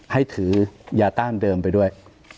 ให้ถือยาต้านเดิมไปด้วย